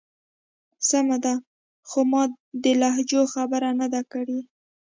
سمه ده. خو ما د لهجو خبره نه ده کړی.